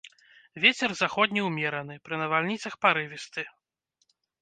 Вецер заходні ўмераны, пры навальніцах парывісты.